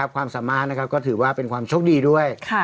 ความสามารถก็ถือว่าเป็นความโชคดีด้วย